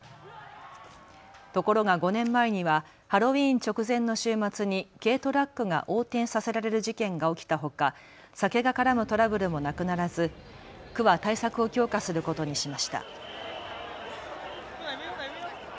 ところが５年前にはハロウィーン直前の週末に軽トラックが横転させられる事件が起きたほか、酒が絡むトラブルもなくならず区は対策を強化することにしました。